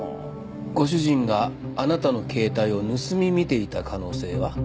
ご主人があなたの携帯を盗み見ていた可能性は？